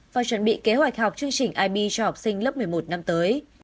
và chuẩn bị kế hoạch học chương trình ib cho học sinh lớp một mươi một năm tới